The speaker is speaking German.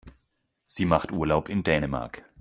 Sie macht Urlaub in Dänemark.